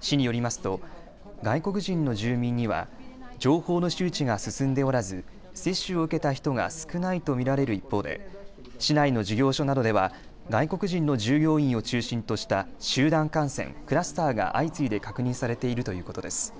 市によりますと外国人の住民には情報の周知が進んでおらず接種を受けた人が少ないと見られる一方で市内の事業所などでは外国人の従業員を中心とした集団感染・クラスターが相次いで確認されているということです。